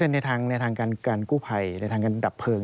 ในทางการกู้ภัยในทางการดับเพลิง